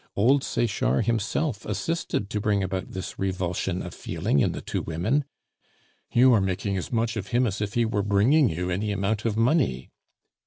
Old Sechard himself assisted to bring about this revulsion of feeling in the two women "You are making as much of him as if he were bringing you any amount of money!"